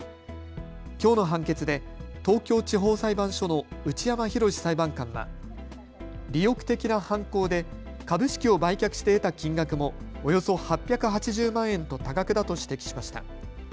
きょうの判決で東京地方裁判所の内山裕史裁判官は利欲的な犯行で株式を売却して得た金額もおよそ８８０万円と多額だと指摘しました。